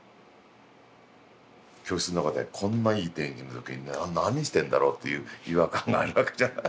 教室の中でこんないい天気の時に何してんだろうっていう違和感があるわけじゃない。